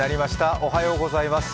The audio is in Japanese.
おはようございます。